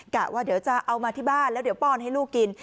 กะว่าเดี๋ยวจะเอามาที่บ้านแล้วเดี๋ยวป้อนให้ลูกกิน